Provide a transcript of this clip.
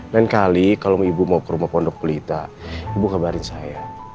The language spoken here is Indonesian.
lain kali kalau mau ibu mau ke rumah pondok pelita ibu kabarin saya